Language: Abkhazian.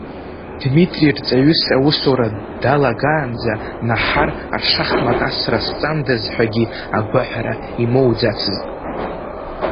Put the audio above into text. Дмитри рҵаҩыс аусура далагаанӡа Наҳар ашахмат асра сҵандаз ҳәагьы агәаҳәара имоуӡацызт.